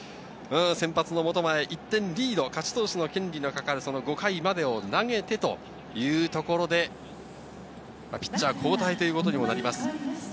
先発・本前、１点リード、勝ち投手の権利がかかる５回までを投げてというところで、ピッチャー交代となります。